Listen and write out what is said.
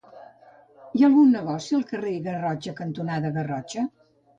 Hi ha algun negoci al carrer Garrotxa cantonada Garrotxa?